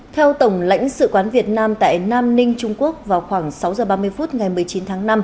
theo tổng lãnh sự quán việt nam tại nam ninh trung quốc vào khoảng sáu h ba mươi phút ngày một mươi chín tháng năm